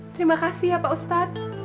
terima kasih ya pak ustadz